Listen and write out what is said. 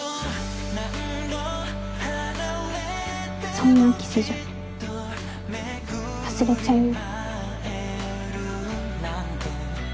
そんなキスじゃ忘れちゃうよ。